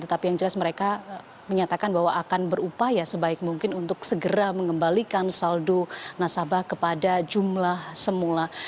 tetapi yang jelas mereka menyatakan bahwa akan berupaya sebaik mungkin untuk segera mengembalikan saldo nasabah kepada jumlah semula